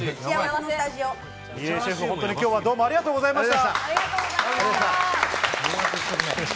入江シェフ、本当に今日はどうもありがとうございました。